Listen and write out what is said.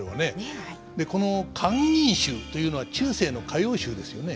この「閑吟集」というのは中世の歌謡集ですよね。